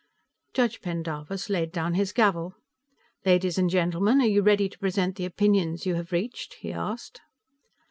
Judge Pendarvis laid down his gavel. "Ladies and gentlemen, are you ready to present the opinions you have reached?" he asked.